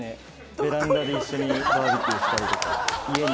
ベランダで一緒にバーベキューしたりとか。